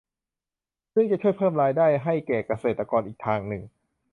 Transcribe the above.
ซึ่งจะช่วยเพิ่มรายได้ให้แก่เกษตรกรอีกทางหนึ่ง